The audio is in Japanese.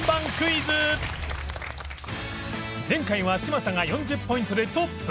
前回は嶋佐が４０ポイントでトップ